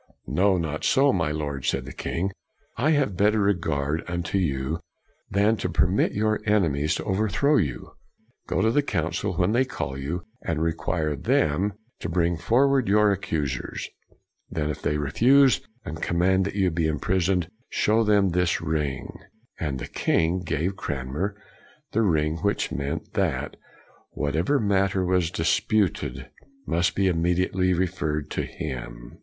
" No, not so, my Lord," said the king. " I have better regard unto you than to permit your enemies to overthrow you. Go to the Council when they call you, and require them to bring forward your accusers. Then if they refuse, and command that you be imprisoned, show them this ring." And the king gave Cranmer the ring which meant that whatever matter was in dispute must be immediately referred to him.